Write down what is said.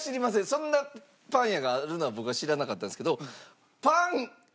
そんなパン屋があるのは僕は知らなかったんですけど。